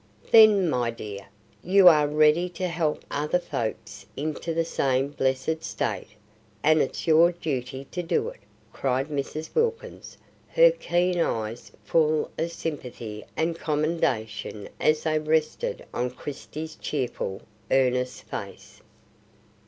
"Then, my dear, you are ready to help other folks into the same blessed state, and it's your duty to do it!" cried Mrs. Wilkins, her keen eyes full of sympathy and commendation as they rested on Christie's cheerful, earnest face.